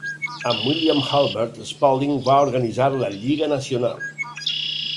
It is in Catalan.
Amb William Hulbert, Spalding va organitzar la Lliga Nacional.